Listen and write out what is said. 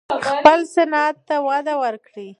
خپل صنعت ته وده ورکړئ.